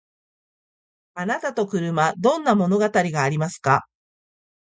あなたと車どんな物語がありますか？